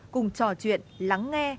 cùng trò chuyện lắng nghe